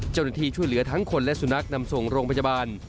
เจ้าหน้าที่ช่วยเหลือทั้งคนและสุนัขนำส่งโรงพยาบาล